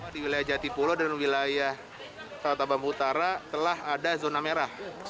di wilayah jatipulo dan wilayah kota bambu utara telah ada zona merah